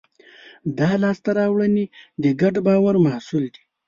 دا لاستهراوړنې د ګډ باور محصول دي.